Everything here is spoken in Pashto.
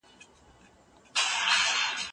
هر څوک د امن حق لري.